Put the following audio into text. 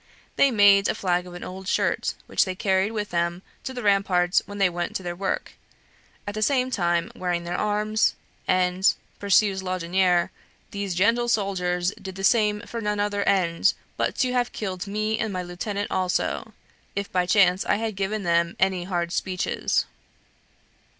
They made a flag of an old shirt, which they carried with them to the rampart when they went to their work, at the same time wearing their arms; and, pursues Laudonniere, "these gentle Souldiers did the same for none other ende but to have killed mee and my Lieutenant also, if by chance I had given them any hard speeches."